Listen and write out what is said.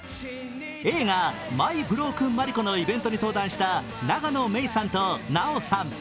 映画「マイ・ブロークン・マリコ」のイベントに登壇した永野芽郁さんと奈緒さん。